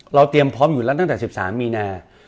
เตรียมพร้อมอยู่แล้วตั้งแต่๑๓มีนา